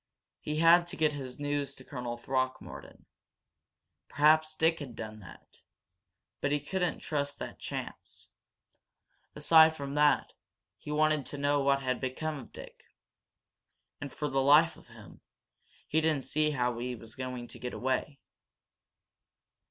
He had to get his news to Colonel Throckmorton. Perhaps Dick had done that. But he couldn't trust that chance. Aside from that, he wanted to know what had become of Dick. And, for the life of him, he didn't see how he was to get away.